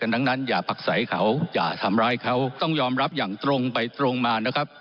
แต่ท่านยังแอบอ้าง